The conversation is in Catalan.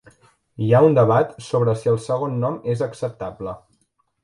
Hi ha un debat sobre si el segon nom és acceptable.